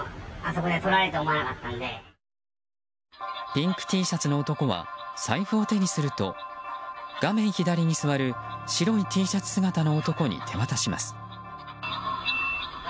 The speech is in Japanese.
ピンクＴシャツの男は財布を手にすると画面左に座る白いＴシャツ姿の男に手渡します。